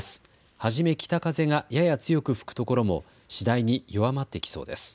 初め北風がやや強く吹くところも次第に弱まってきそうです。